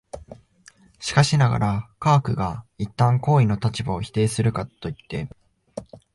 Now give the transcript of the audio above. しかしながら、科学が一旦行為の立場を否定するからといって、